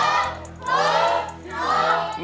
ถูกถูกถูก